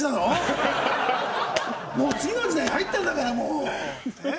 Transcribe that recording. もう次の時代入ったんだからもうねえ